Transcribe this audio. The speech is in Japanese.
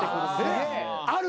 ある？